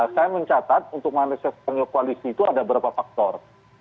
saya mencatat untuk manasiasi penyokalisi itu ada beberapa faktor